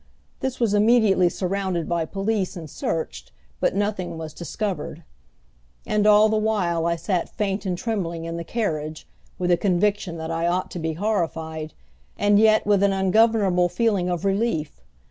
This was immediately surrounded by police and searched, but nothing was discovered; and all the while I sat faint and trembling in the carriage, with a conviction that I ought to be horrified, and yet with an ungovernable feeling of relief.